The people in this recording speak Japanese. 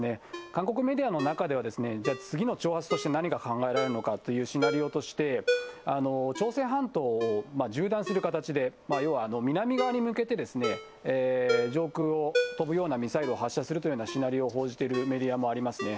韓国メディアの中では、じゃあ、次の挑発として何が考えられるのかっていうシナリオとして、朝鮮半島を縦断する形で、要は南側に向けて、上空を飛ぶようなミサイルを発射するというシナリオを報じているメディアもありますね。